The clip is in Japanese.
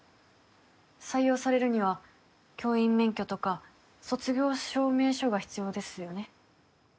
採用されるには教員免許とか卒業証明書が必要ですよね。